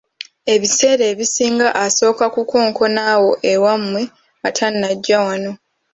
Ebiseera ebisinga asooka kukonkona awo ewammwe nga tanajja wano.